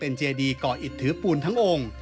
เป็นเจดีย์ก่ออิทธิพลทั้งองค์